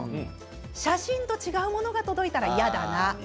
写真と違うものが届いたら嫌だな。